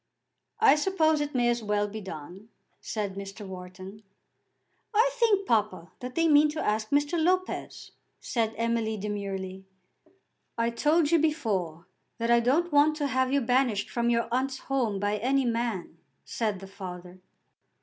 "I suppose it may as well be done," said Mr. Wharton. "I think, papa, that they mean to ask Mr. Lopez," said Emily demurely. "I told you before that I don't want to have you banished from your aunt's home by any man," said the father.